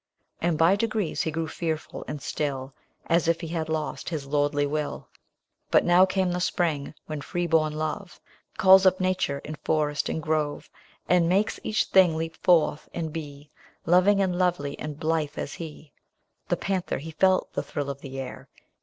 And by degrees he grew fearful and still, As if he had lost his lordly will. But now came the spring, when free born love Calls up nature in forest and grove. And makes each thing leap forth, and be Loving, and lovely, and blithe as he. The panther he felt the thrill of the air.